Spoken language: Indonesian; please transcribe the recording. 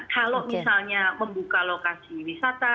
kalau misalnya membuka lokasi wisata